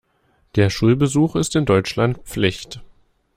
Der Schulbesuch ist in Deutschland Pflicht.